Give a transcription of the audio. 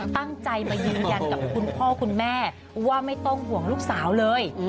ตั้งใจมายืนยันกับคุณพ่อคุณแม่ว่าไม่ต้องห่วงลูกสาวเลย